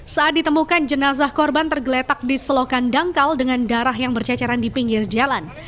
saat ditemukan jenazah korban tergeletak di selokan dangkal dengan darah yang berceceran di pinggir jalan